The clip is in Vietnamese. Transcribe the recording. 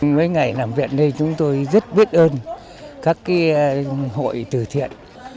mấy ngày làm viện đây chúng tôi rất biết ơn các hội từ thiện